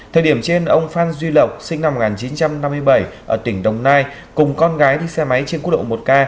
thời điểm trên ông phan duy lộc sinh năm một nghìn chín trăm năm mươi bảy ở tỉnh đồng nai cùng con gái đi xe máy trên quốc lộ một k